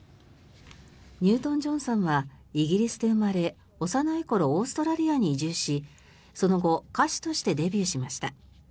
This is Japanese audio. ニュートン・ジョンさんはイギリスで生まれ幼い頃、オーストラリアに移住しその後、歌手としてデビューしました。